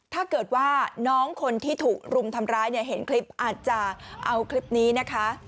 ถ้าเกิดว่าน้องคนที่ถูกรุมทำร้ายเนี่ยเห็นคลิปอาจจะเอาคลิปนี้นะคะ